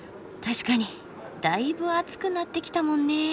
確かにだいぶ暑くなってきたもんね。